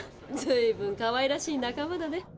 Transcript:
ずいぶんかわいらしい仲間だね。